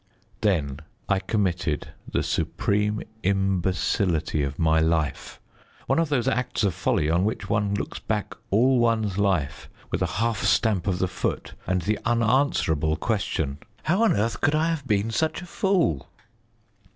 Then I committed the supreme imbecility of my life one of those acts of folly on which one looks back all one's life with a half stamp of the foot, and the unanswerable question, "How on earth could I have been such a fool?"